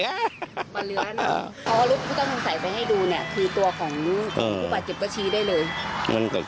ตัวของมือหุบหาเจ็บกระชี้ได้เลย